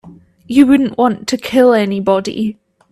You wouldn't want to kill anybody.